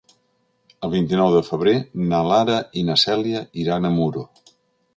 El vint-i-nou de febrer na Lara i na Cèlia iran a Muro.